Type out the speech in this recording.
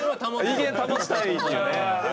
威厳保ちたいっていうね。